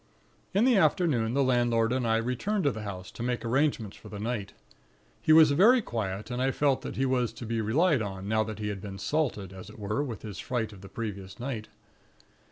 "In the afternoon, the landlord and I returned to the house, to make arrangements for the night. He was very quiet, and I felt he was to be relied on, now that he had been 'salted,' as it were, with his fright of the previous night.